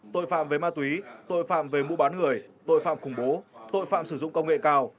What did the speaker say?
tội phạm về ma túy tội phạm về mua bán người tội phạm khủng bố tội phạm sử dụng công nghệ cao